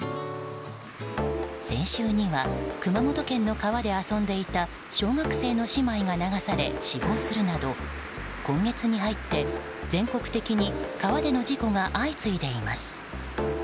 先週には熊本県の川で遊んでいた小学生の姉妹が流され死亡するなど今月に入って全国的に川での事故が相次いでいます。